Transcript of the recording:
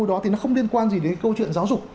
đó thì nó không liên quan gì đến câu chuyện giáo dục